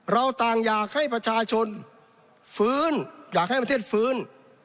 เราต่างอยากให้ประชาชนฟื้นอยากให้ประเทศฟื้น